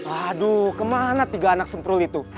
aduh kemana tiga anak semprol itu